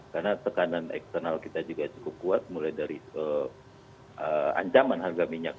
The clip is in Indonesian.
karena tekanan eksternal kita juga cukup kuat mulai dari ancaman harga minyak